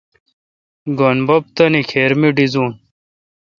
گین بب تانی کھیر می ڈیزوس۔